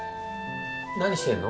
何してんの？